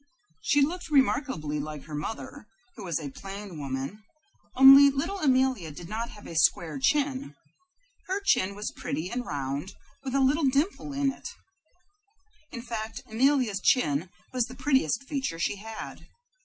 She looked remarkably like her mother, who was a plain woman, only little Amelia did not have a square chin. Her chin was pretty and round, with a little dimple in it. In fact, Amelia's chin was the prettiest feature she had.